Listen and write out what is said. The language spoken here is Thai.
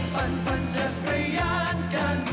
ปันปันจะกระยานกัน